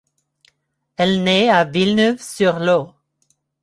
Elle naît à Villeneuve-sur-Lot.